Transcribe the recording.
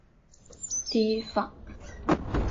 提防